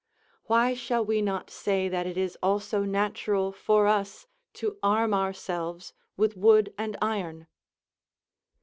Why shall we not say that it is also natural for us to arm ourselves with wood and iron?